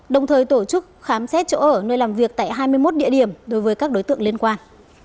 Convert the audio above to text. đồng thời tổ chức khám xét chỗ ở nơi làm việc tại hai mươi một địa điểm đối với các đối tượng liên quan